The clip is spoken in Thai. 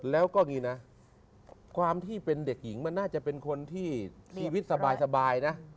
แล้วก็อย่างนี้นะความที่เป็นเด็กหญิงมันน่าจะเป็นคนที่ชีวิตสบายนะ